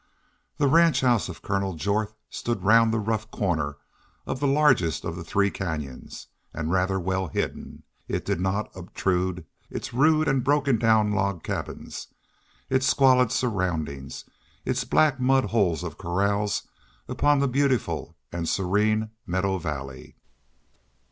The ranch house of Colonel Jorth stood round the rough corner of the largest of the three canyons, and rather well hidden, it did not obtrude its rude and broken down log cabins, its squalid surroundings, its black mud holes of corrals upon the beautiful and serene meadow valley.